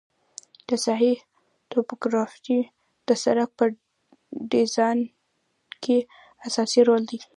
د ساحې توپوګرافي د سرک په ډیزاین کې اساسي رول لري